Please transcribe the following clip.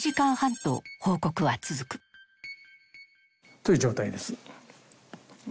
という状態です。